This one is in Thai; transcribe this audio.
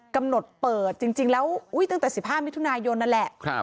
กำหนดเปิดจริงแล้วตั้งแต่๑๕มิถุนายนนั่นแหละ